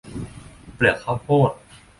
เปลือกข้าวโพด